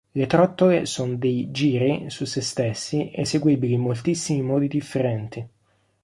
Le trottole sono dei "giri" su sé stessi eseguibili in moltissimi modi differenti.